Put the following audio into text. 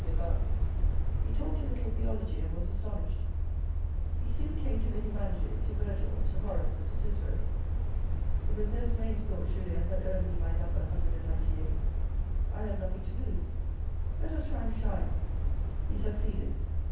Pirard. He talked a little theology, and was astonished. He soon came to the THE FIRST PROMOTION 213 humanities, to Virgil, to Horace, to Cicero. " It was those names," thought Julien, that earned me my number 198. I have nothing to lose. Let us try and shine. He succeeded.